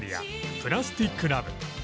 「プラスティック・ラブ」。